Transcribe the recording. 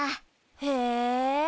へえ。